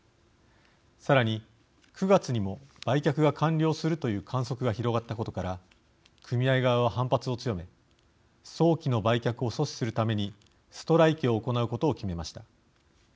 さらに、９月にも売却が完了するという観測が広がったことから組合側は反発を強め早期の売却を阻止するためにストライキを行うことを決めました。